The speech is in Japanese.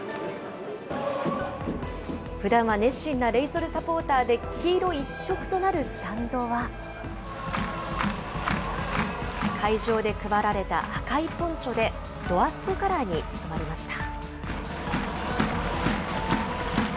ふだんは熱心なレイソルサポーターで黄色一色となるスタンドは、会場で配られた赤いポンチョで、ロアッソカラーに染まりました。